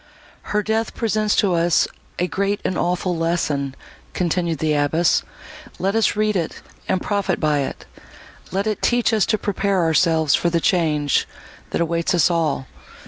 "Her death presents to us a great and awful lesson," continued the abbess; "let us read it, and profit by it; let it teach us to prepare ourselves for the change, that awaits us all!